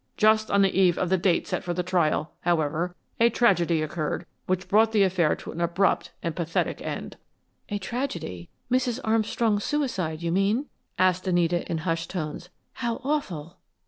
Just on the eve of the date set for the trial, however, a tragedy occurred which brought the affair to an abrupt and pathetic end." "A tragedy? Mrs. Armstrong's suicide, you mean?" asked Anita, in hushed tones. "How awful!"